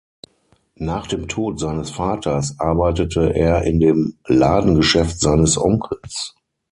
Nach dem Tod seines Vaters arbeitete er in dem Ladengeschäft seines Onkels.